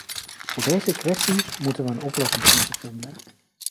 Voor deze kwesties moeten wij een oplossing zien te vinden.